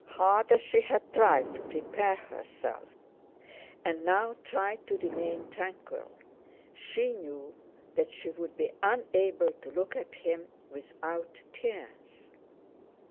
Hard as she had tried to prepare herself, and now tried to remain tranquil, she knew that she would be unable to look at him without tears.